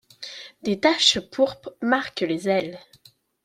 Des taches pourpres marquent les ailes.